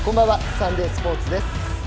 サンデースポーツです。